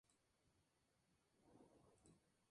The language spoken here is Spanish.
Estas placas son mucho más grandes que las originales.